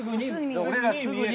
俺ら「すぐに」